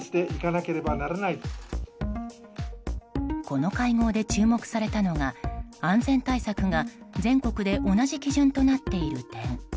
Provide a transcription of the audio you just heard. この会合で注目されたのが安全対策が全国で同じ基準となっている点。